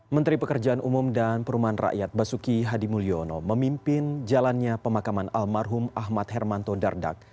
menteri pekerjaan umum dan perumahan rakyat basuki hadimulyono memimpin jalannya pemakaman almarhum ahmad hermanto dardak